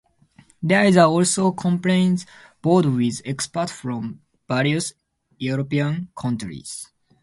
There is also a Complaints Board with experts from various European countries.